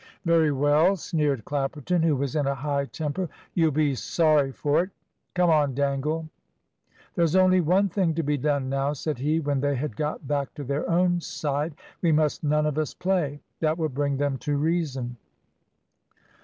"Very well," sneered Clapperton, who was in a high temper, "you'll be sorry for it. Come on, Dangle." "There's only one thing to be done now," said he, when they had got back to their own side; "we must none of us play. That will bring them to reason."